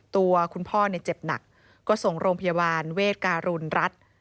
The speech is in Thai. ตัวคุณพ่อเจ็บหนักก็ส่งโรงพยาบาลเวทการุณรัฐ